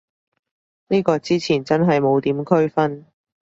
呢個之前真係冇點區分